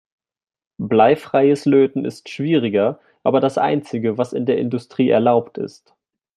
Bleifreies Löten ist schwieriger, aber das einzige, was in der Industrie erlaubt ist.